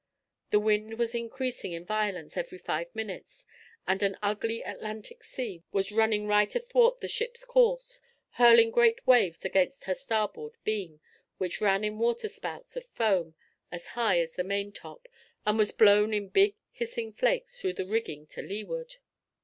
The wind was increasing in violence every five minutes, and an ugly Atlantic sea was running right athwart the ship's course, hurling great waves against her starboard beam, which ran in water spouts of foam as high as the maintop, and was blown in big, hissing flakes through the rigging to leeward.